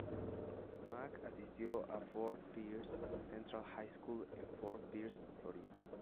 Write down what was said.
Mack asistió a Fort Pierce Central High School en Fort Pierce, Florida.